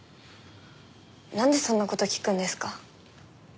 なんでそんな事聞くんですか？